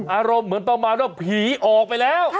อารมณ์เหมือนประมาณว่าผีออกไปแล้ว